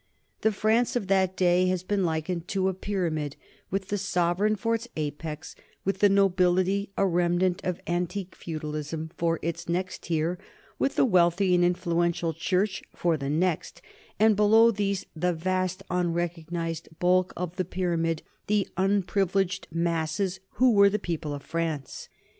The France of that day has been likened to a pyramid with the sovereign for its apex, with the nobility, a remnant of antique feudalism, for its next tier, with the wealthy and influential Church for the next, and below these the vast unrecognized bulk of the pyramid, the unprivileged masses who were the people of France.